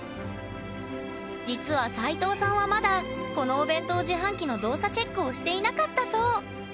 実は斎藤さんはまだこのお弁当自販機の動作チェックをしていなかったそう。